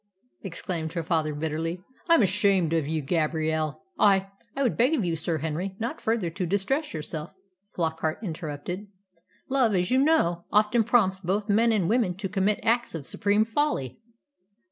exclaimed her father bitterly. "I'm ashamed of you, Gabrielle. I " "I would beg of you, Sir Henry, not further to distress yourself," Flockart interrupted. "Love, as you know, often prompts both men and women to commit acts of supreme folly."